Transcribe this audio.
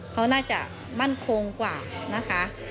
เขาน่าจะมั่นคงกว่านะคะ